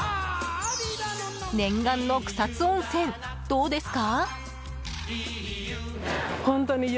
念願の草津温泉、どうですか？